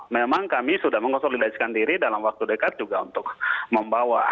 memang kami sudah mengkonsolidasikan diri dalam waktu dekat juga untuk membawa